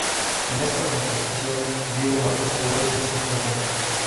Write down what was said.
En esta competición Diego marcó tres goles en cinco encuentros.